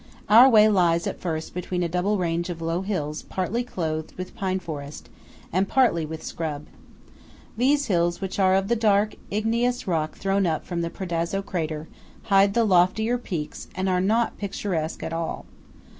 Our way lies at first between a double range of low hills partly clothed with pine forest, and partly with scrub. These hills, which are of the dark igneous rock thrown up from the Predazzo crater, hide the loftier peaks and are not picturesque at all.